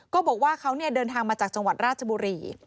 บอกว่าเขาเดินทางมาจากจังหวัดราชบุรี